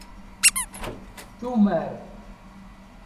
Tumar.